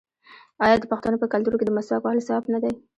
آیا د پښتنو په کلتور کې د مسواک وهل ثواب نه دی؟